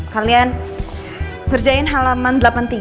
kalian kerjain halaman delapan puluh tiga